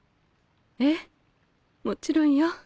ええもちろんよ。